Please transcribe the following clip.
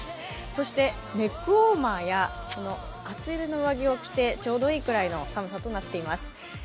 そしてネックウォーマーや厚手の上着を着てちょうどいいぐらいの寒さとなっています。